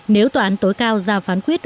nếu tòa án tối cao ra phán quyết